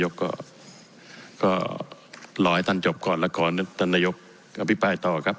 ก็ก็รอให้ท่านจบก่อนแล้วก่อนนึกท่านนายกอภิกษาต่อครับ